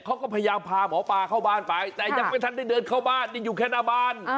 เขาก็พยายามพาหมอปลาเข้าบ้านไปแต่ยังไม่ทันได้เดินเข้าบ้านนี่อยู่แค่หน้าบ้าน